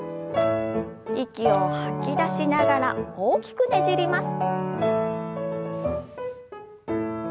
息を吐き出しながら大きくねじります。